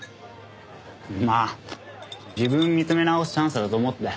まあ自分見つめ直すチャンスだと思って。